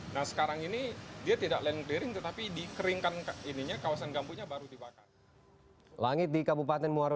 nah sekarang ini dia tidak land clearing tetapi dikeringkan kawasan gambutnya baru dibakar